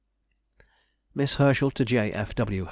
MISS HERSCHEL TO J. F. W.